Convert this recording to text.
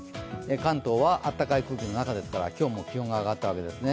関東は暖かい空気の中ですから今日も気温が上がったわけです。